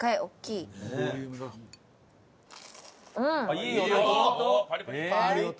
いい音！